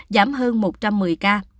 giảm hơn một trăm một mươi ca